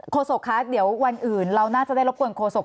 โศกคะเดี๋ยววันอื่นเราน่าจะได้รบกวนโฆษก